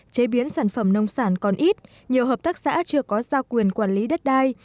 chế biến sản phẩm nông sản còn ít nhiều hợp tác xã chưa có giao quyền quản lý đất đai